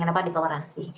karena itu tidak di tolerasi